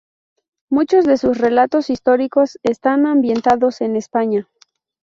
Muchos de sus relatos históricos están ambientados en España.